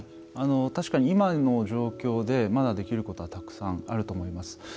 確かに今の状況でまだできることはたくさんあると思います。